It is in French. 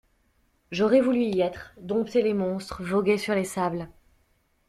J’aurais voulu y être, dompter les monstres, voguer sur les sables.